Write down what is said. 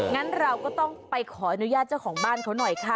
งั้นเราก็ต้องไปขออนุญาตเจ้าของบ้านเขาหน่อยค่ะ